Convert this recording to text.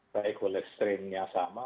baik oleh strain yang sama